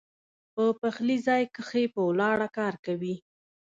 پۀ پخلي ځائے کښې پۀ ولاړه کار کوي